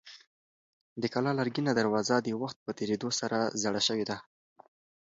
د کلا لرګینه دروازه د وخت په تېرېدو سره زړه شوې ده.